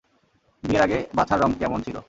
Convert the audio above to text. বিয়ের আগে বাছার রং কেমন ছিল।